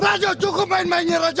raju cukup main mainnya raju